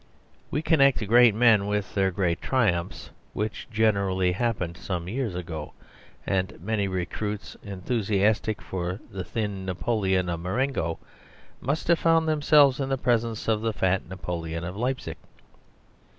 We connect great men with their great triumphs, which generally happened some years ago, and many recruits enthusiastic for the thin Napoleon of Marengo must have found themselves in the presence of the fat Napoleon of Leipzic.